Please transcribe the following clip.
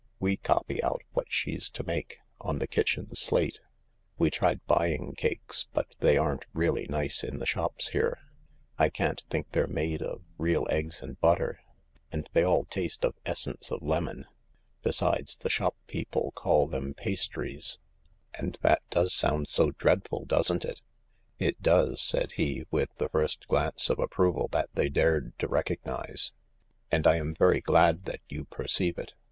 We copy out what she's to make, on the kitchen slate. We tried buying cakes— but they aren't really nice in the shops here. I can't think they're made of real eggs and butter, and they all taste of essence of lemon. Besides, the shop people call them pastries, and that does sound so dreadful, doesn't it ?"" It does," said he, with the first glance of approval that they dared to recognise. " And I am very glad that you per ceive it.